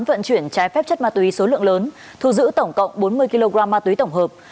vận chuyển trái phép chất ma túy số lượng lớn thu giữ tổng cộng bốn mươi kg ma túy tổng hợp